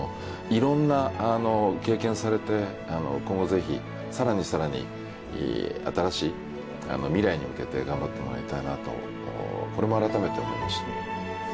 いろんな経験されて今後是非更に更に新しい未来に向けて頑張ってもらいたいなとこれも改めて思いました。